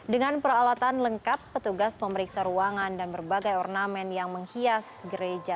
dengan peralatan lengkap petugas memeriksa ruangan dan berbagai ornamen yang menghias gereja